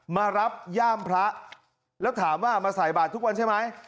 มารับย่ามพระแล้วถามว่ามาใส่บาททุกวันใช่ไหม